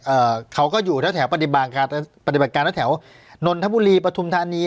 เอ่อเขาก็อยู่แถวแถวปฏิบัติการปฏิบัติการแล้วแถวนนทบุรีปฐุมธานี